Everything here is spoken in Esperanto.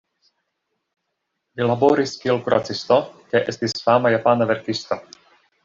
Li laboris kiel kuracisto kaj estis fama japana verkisto.